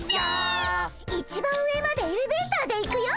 一番上までエレベーターで行くよ。